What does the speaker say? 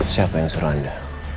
siapa yang suruh anda